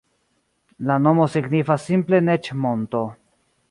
La nomo signifas simple Neĝ-monto.